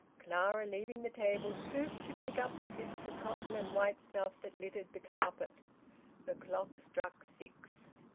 Clara, leaving the table, stooped to pick up the bits of cotton and white stuff that littered the carpet. The clock struck six.